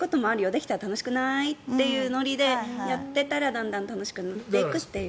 できたら楽しくない？っていうノリでやっていたらだんだん楽しくなっていくという。